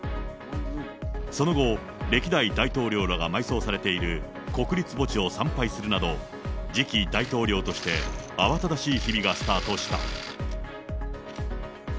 その後、歴代大統領らが埋葬されている国立墓地を参拝するなど、次期大統領として、慌ただしい日々がスタートした。